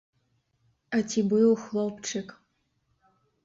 А ці быў хлопчык?